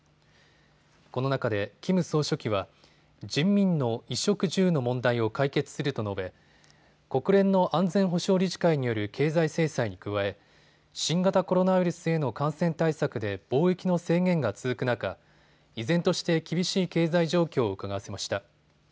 この中でキム総書記は人民の衣食住の問題を解決すると述べ国連の安全保障理事会による経済制裁に加え新型コロナウイルスへの感染対策で貿易の制限が続く中、依然として厳しい経済状況をうかがわせました。